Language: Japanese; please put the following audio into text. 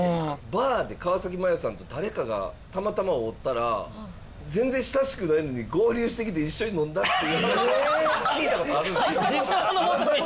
バーで川麻世さんと誰かがたまたま会うたら全然親しくないのに合流してきて一緒に飲んだっていう聞いたことあるんすよ